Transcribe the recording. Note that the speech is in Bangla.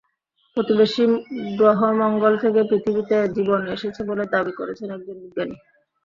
প্রতিবেশী গ্রহ মঙ্গল থেকেই পৃথিবীতে জীবন এসেছে বলে দাবি করেছেন একজন বিজ্ঞানী।